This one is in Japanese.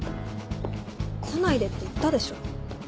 来ないでって言ったでしょ。